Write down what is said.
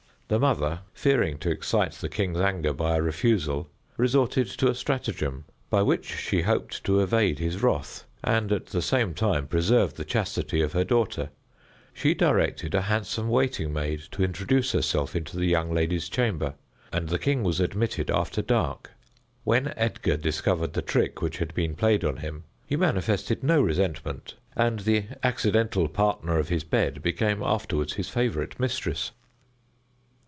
The mother, fearing to excite the king's anger by a refusal, resorted to a stratagem, by which she hoped to evade his wrath, and, at the same time, preserve the chastity of her daughter. She directed a handsome waiting maid to introduce herself into the young lady's chamber, and the king was admitted after dark. When Edgar discovered the trick which had been played on him, he manifested no resentment, and the accidental partner of his bed became afterward his favorite mistress.